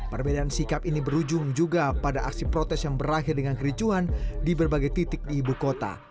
perbedaan sikap ini berujung juga pada aksi protes yang berakhir dengan kericuhan di berbagai titik di ibu kota